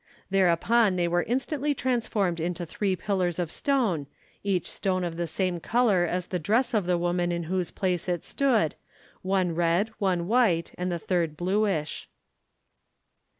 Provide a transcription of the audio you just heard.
Thereupon they were instantly transformed into three pillars of stone, each stone of the same colour as the dress of the woman in whose place it stood, one red, one white, and the third bluish.